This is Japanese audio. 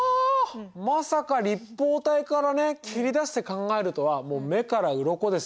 まさか立方体からね切り出して考えるとはもう目からうろこです。